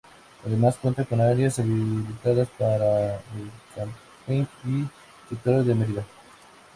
Además, cuenta con áreas habilitadas para el camping y sectores de merienda.